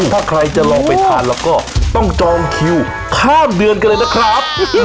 ถ้าใครจะลองไปทานแล้วก็ต้องจองคิวข้ามเดือนกันเลยนะครับ